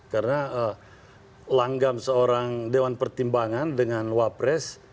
karena langgam seorang dewan pertimbangan dengan wapres